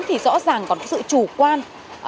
thì rõ ràng còn sự chủ quan